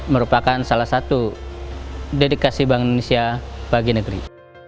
merupakan salah satu dedikasi bank indonesia bagi negeri